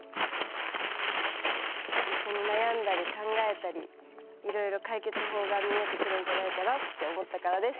一緒に悩んだり考えたりいろいろ解決法が見えてくるんじゃないかなって思ったからです。